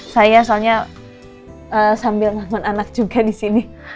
saya soalnya sambil nganggur anak juga disini